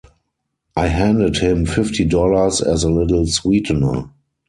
I handed him fifty dollars as a little sweetener.